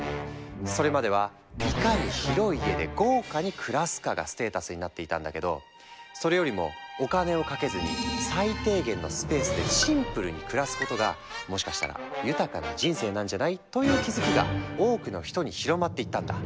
それまではいかに広い家で豪華に暮らすかがステータスになっていたんだけどそれよりもお金をかけずに最低限のスペースでシンプルに暮らすことがもしかしたら豊かな人生なんじゃない？という気付きが多くの人に広まっていったんだ。